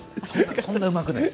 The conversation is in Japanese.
そんなにうまくないです。